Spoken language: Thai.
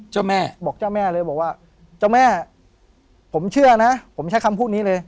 เจ้าแม่บอกเจ้าแม่เลยบอกว่าเจ้าแม่ผมเชื่อนะผมใช้คำพูดนี้เลย